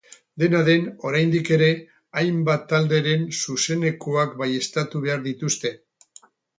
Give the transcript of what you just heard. Dena den, oraindik ere, hainbat talderen zuzenekoak baieztatu behar dituzte.